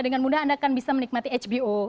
dengan mudah anda akan bisa menikmati hbo